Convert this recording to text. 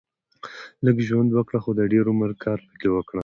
لږ ژوند وګړهٔ خو د دېر عمر کار پکښي وکړهٔ